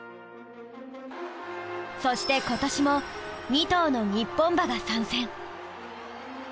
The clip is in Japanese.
そして今年も２頭の日本馬が参戦！